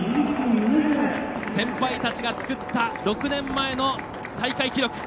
先輩たちが作った６年前の大会記録。